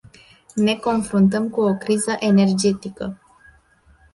Ne confruntăm cu o criză energetică.